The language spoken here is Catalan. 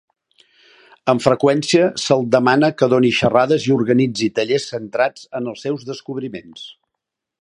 Amb freqüència se'l demana que doni xerrades i organitzi tallers centrats en els seus descobriments.